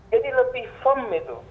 jadi lebih firm itu